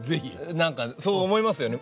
何かそう思いますよね。